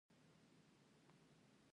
د لوګر باغونه انګور لري.